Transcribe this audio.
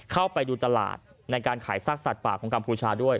เข้าไปดูตลาดในการขายซากสัตว์ป่าของกัมพูชาด้วย